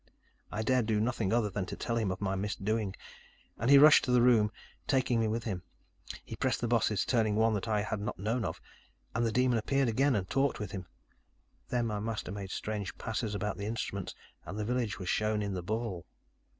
"I dared do nothing other than to tell him of my misdoing, and he rushed to the room, taking me with him. He pressed the bosses, turning one that I had not known of, and the demon appeared again and talked with him. Then, my master made strange passes about the instruments and the village was shown in the ball.